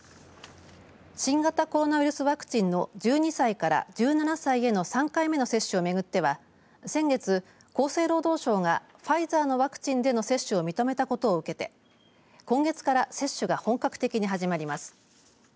新型コロナウイルスワクチンの１２歳から１７歳への３回目の接種を巡っては先月、厚生労働省がファイザーのワクチンでの接種を認めたことを受けて今月から接種が本格的に始まります。